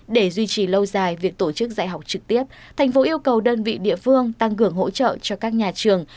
để duy trì lâu dài việc tổ chức dạy học trực tiếp thành phố yêu cầu đơn vị địa phương tăng cường hỗ trợ cho các nhà trường